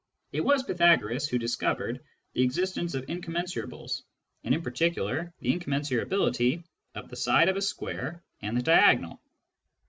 It was Pythagoras who discovered the existence of incom mensurables, and, in particular, the incommensurability of the side of a square and the diagonal.